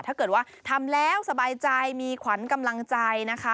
ถ้าเกิดว่าทำแล้วสบายใจมีขวัญกำลังใจนะคะ